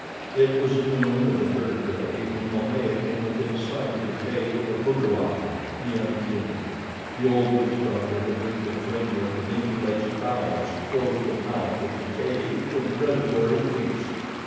It was noon of the third day when Momaya came within sight of the cave of Bukawai, the unclean. The old witch doctor had rigged a framework of interlaced boughs to close the mouth of the cave from predatory beasts.